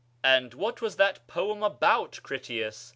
"And what was that poem about, Critias?"